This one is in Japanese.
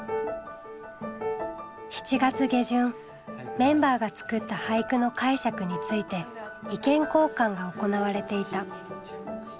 メンバーが作った俳句の解釈について意見交換が行われていた。